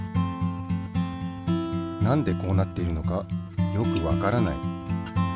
なんでこうなっているのかよくわからない。